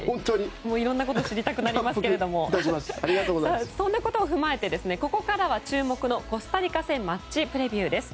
いろんなことを知りたくなりますけれどもそんなことを踏まえてここからは注目のコスタリカ戦マッチプレビューです。